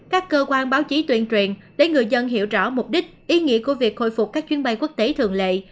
các cơ quan báo chí tuyên truyền để người dân hiểu rõ mục đích ý nghĩa của việc khôi phục các chuyến bay quốc tế thường lệ